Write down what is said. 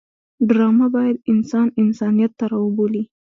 ډرامه باید انسانان انسانیت ته راوبولي